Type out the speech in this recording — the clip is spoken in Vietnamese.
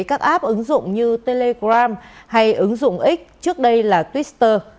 các app ứng dụng như telegram hay ứng dụng x trước đây là twitter